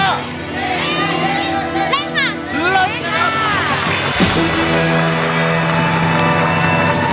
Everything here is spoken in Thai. เล่นค่ะ